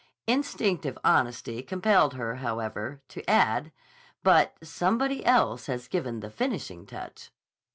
Instinctive honesty compelled her, however, to add: "But somebody else has given the finishing touch."